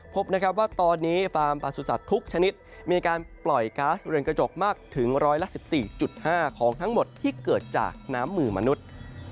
พบนะครับว่าตอนนี้ฟาร์มประสุทธิ์ทุกชนิดมีการปล่อยก๊าซเรือนกระจกมากถึงร้อยละ๑๔๕ของทั้งหมดที่เกิดจากน้ำมือมนุษย์